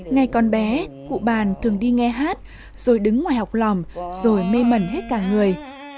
ngày con bé cụ bàn thường đi nghe hát rồi đứng ngoài học rồi mê mẩn hết cả người